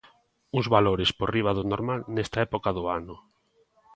Uns valores por riba do normal nesta época do ano.